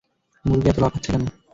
মুরগি এত লাফাচ্ছে কেন?